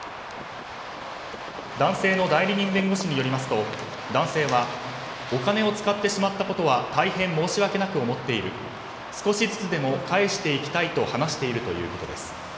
男性の代理人弁護士によりますと男性はお金を使ってしまったことは大変申し訳なく思っている少しずつでも返していきたいと話しているということです。